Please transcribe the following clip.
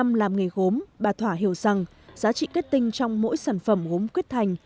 trong làm nghề gốm bà thỏa hiểu rằng giá trị kết tinh trong mỗi sản phẩm gốm quyết thành